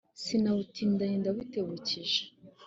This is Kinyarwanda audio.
sinabutindanye ndabutebukije.